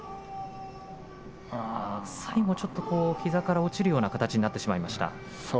最後はちょっと膝から落ちるような形になってしまいました。